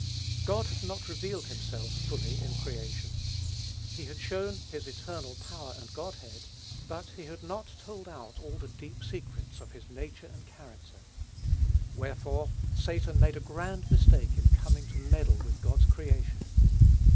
God had not revealed himself, fully, in creation: he had shown "his eternal power and Godhead," ([Greek: theiotês]) but he had not told out all the deep secrets of his nature and character. Wherefore Satan made a grand mistake in coming to meddle with God's creation.